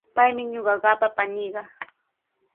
Paymi ñuqaqapa paniiqa.